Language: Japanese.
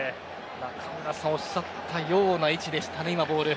中村さんがおっしゃった位置でしたね